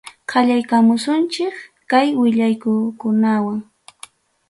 Qallaykamusunchik kay willakuykunawan.